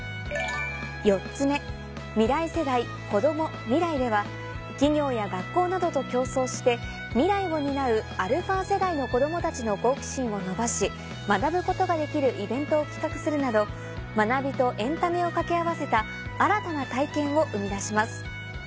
４つ目「未来世代子ども・未来」では企業や学校などと共創して未来を担うα世代の子どもたちの好奇心を伸ばし学ぶことができるイベントを企画するなど学びとエンタメを掛け合わせた新たな体験を生み出します。